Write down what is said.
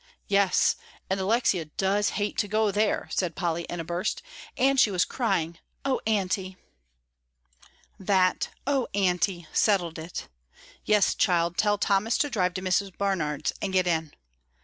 "Yes, and Alexia does hate to go there," said Polly, in a burst, "and she was crying. Oh, Aunty!" That "Oh, Aunty!" settled it. "Yes, child, tell Thomas to drive to Miss Barnard's, and get in."